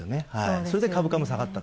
それで株価も下がったと。